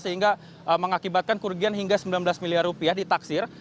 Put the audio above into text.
dan mengakibatkan kurgian hingga sembilan belas miliar rupiah ditaksir